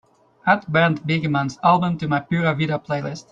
add bernd begemann's album to my pura vida playlist